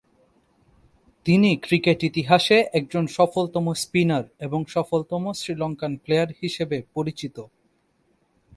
তিনি ক্রিকেট ইতিহাসে একজন সফলতম স্পিনার এবং সফলতম শ্রীলঙ্কান প্লেয়ার হিসেবে পরিচিত।